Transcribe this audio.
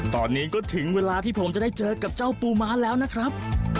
ตอนนี้ก็ถึงเวลาที่ผมจะได้เจอกับเจ้าปูม้าแล้วนะครับ